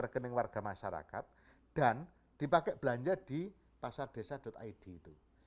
rekening warga masyarakat dan dipakai belanja di pasardesa id itu